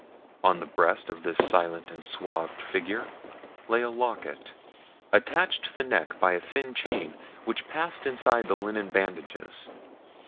On the breast of this silent and swathed figure lay a locket, attached to the neck by a thin chain, which passed inside the linen bandages.